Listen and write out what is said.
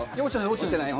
落ちてない？